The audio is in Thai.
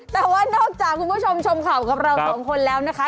แต่ว่านอกจากคุณผู้ชมชมข่าวกับเราสองคนแล้วนะคะ